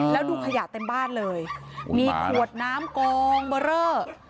แล้วดูพยาบต์เต็มบ้านเลยมีขวดน้ำโกงเบอร์เริ่ม